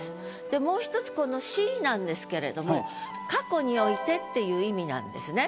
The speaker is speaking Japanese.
でもう１つこの「し」なんですけれども「過去において」っていう意味なんですね。